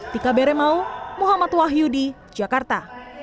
tika beremau muhammad wahyudi jakarta